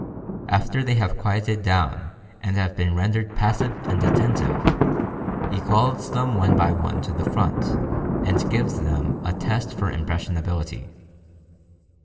After they have quieted down and have been rendered passive and attentive, he calls them one by one to the front and gives them a test for impressionability.